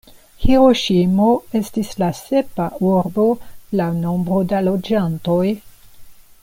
Hiroŝimo estis la sepa urbo laŭ nombro da loĝantoj.